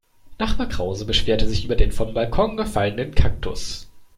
Nachbar Krause beschwerte sich über den vom Balkon gefallenen Kaktus.